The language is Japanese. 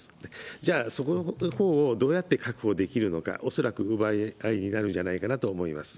じゃあそこのほうをどうやって確保できるのか、恐らく奪い合いになるんじゃないかなと思います。